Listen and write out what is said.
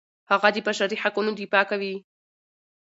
هغه د بشري حقونو دفاع کوي.